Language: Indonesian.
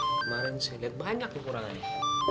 kemarin saya lihat banyak kekurangannya